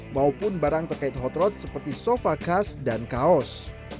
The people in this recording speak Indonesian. maupun barang terkait hot road seperti sofa khas dan kaos